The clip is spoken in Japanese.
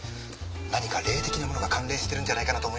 何か霊的なものが関連してるんじゃないかなと。